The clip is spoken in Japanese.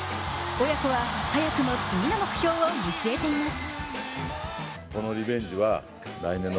親子は早くも次の目標を見据えています。